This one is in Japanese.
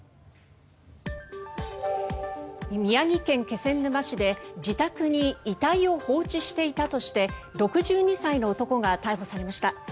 宮城県気仙沼市で自宅に遺体を放置していたとして６２歳の男が逮捕されました。